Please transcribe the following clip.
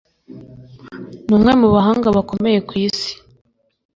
Ni umwe mu bahanga bakomeye ku isi